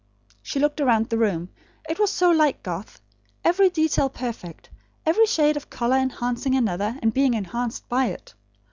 She looked around the room. It was so like Garth; every detail perfect; every shade of colour enhancing another, and being enhanced by it.